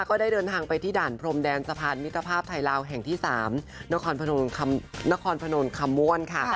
ก็ได้เดินทางไปที่ด่านพรมแดนสะพานมิตรภาพไทยลาวแห่งที่๓นครพนมคำม่วนค่ะ